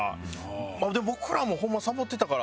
でも僕らもホンマサボってたから。